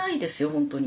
本当に。